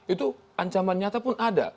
itu ancaman nyata pun ada